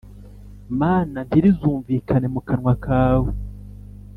mana ntirizumvikane mu kanwa kawe